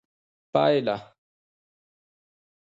پايله